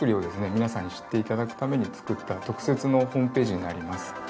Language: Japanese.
皆さんに知って頂くために作った特設のホームページになります。